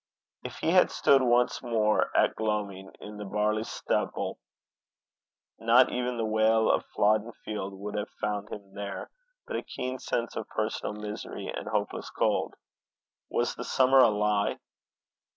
If he had stood once more at gloaming in that barley stubble, not even the wail of Flodden field would have found him there, but a keen sense of personal misery and hopeless cold. Was the summer a lie?